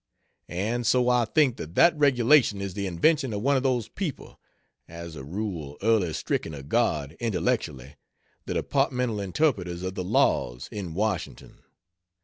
And so I think that that regulation is the invention of one of those people as a rule, early stricken of God, intellectually the departmental interpreters of the laws, in Washington.